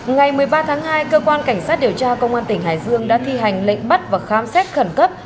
ngày một mươi ba tháng hai cơ quan cảnh sát điều tra công an tỉnh hải dương đã thi hành lệnh bắt và khám xét khẩn cấp